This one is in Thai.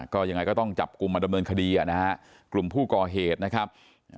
ก็ยังไงก็ต้องจับกลุ่มมาดำเนินคดีนะฮะกลุ่มผู้ก่อเหตุนะครับ